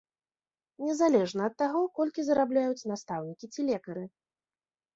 Незалежна ад таго, колькі зарабляюць настаўнікі ці лекары.